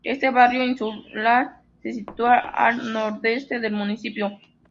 Este barrio, insular, se sitúa al nordeste del municipio.